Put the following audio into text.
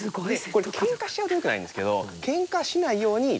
これケンカしちゃうとよくないんですけど。